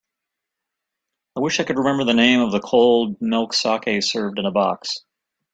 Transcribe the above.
I wish I could remember the name of the cold milky saké served in a box.